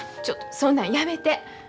ちょっとそんなんやめて。